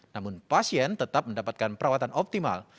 namun pasien tetap mendapatkan perawatan optimal